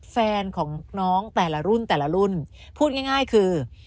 แฟนของน้องแต่ละรุ่นแต่ละรุ่นพูดง่ายคือ